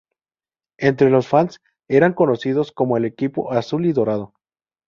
Entre los fans, eran conocidos como el equipo "Azul y Dorado".